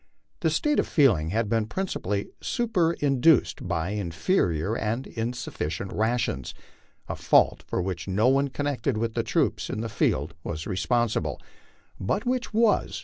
This state of feeling had been principally superinduced by inferior and insufficient rations, a fault for which no one connected with the troops in the field was responsible, but which was